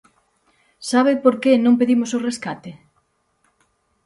¿Sabe por que non pedimos o rescate?